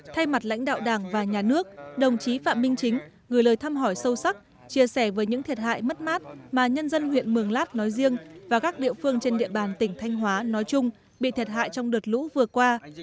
thay mặt lãnh đạo đảng và nhà nước đồng chí phạm minh chính gửi lời thăm hỏi sâu sắc chia sẻ với những thiệt hại mất mát mà nhân dân huyện mường lát nói riêng và các địa phương trên địa bàn tỉnh thanh hóa nói chung bị thiệt hại trong đợt lũ vừa qua